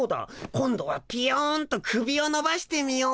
今度はピヨンと首をのばしてみよう。